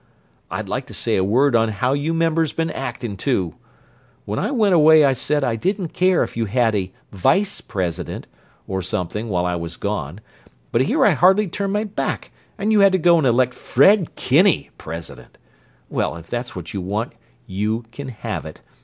I'd like to say a word on how you members been acting, too! When I went away I said I didn't care if you had a vice president or something while I was gone, but here I hardly turned my back and you had to go and elect Fred Kinney president! Well, if that's what you want, you can have it.